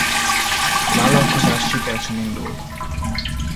A vállalkozás sikeresen indult.